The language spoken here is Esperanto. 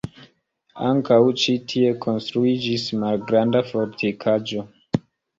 Ankaŭ ĉi tie konstruiĝis malgranda fortikaĵo.